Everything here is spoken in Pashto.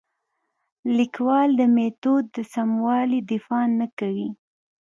لیکوال د میتود د سموالي دفاع نه کوي.